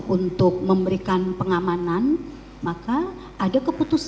untuk memberikan pengamanan maka ada keputusan